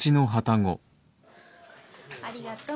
ありがとう。